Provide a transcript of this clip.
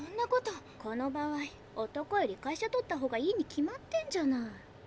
この場合男より会社取ったほうがいいに決まってんじゃない。